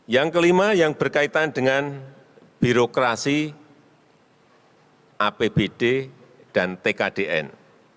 yang kelima yang berkaitan dengan birokrasi apbd dan tkdn